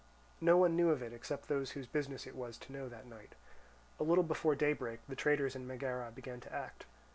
No one knew of it, except those whose business it was to know that night. A little before daybreak, the traitors in Megara began to act.